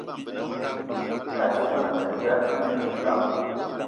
Yas ma menda mayi pam